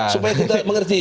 supaya kita mengerti